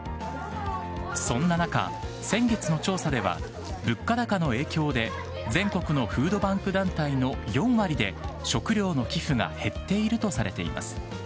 そんな中、先月の調査では、物価高の影響で、全国のフードバンク団体の４割で、食料の寄付が減っているとされています。